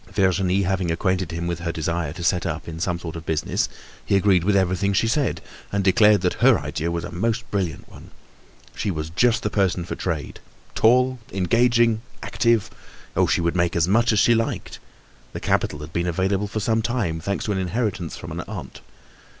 Virginie having acquainted him with her desire to set up in some sort of business, he agreed with everything she said, and declared that her idea was a most brilliant one. She was just the person for trade—tall, engaging and active. Oh! she would make as much as she liked. The capital had been available for some time, thanks to an inheritance from an aunt.